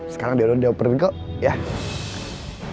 sekarang dia udah dioperin kok